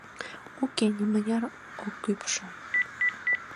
— Уке, нимыняр ок ӱпшӧ.